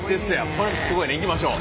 これもすごいねいきましょう。